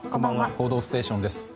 「報道ステーション」です。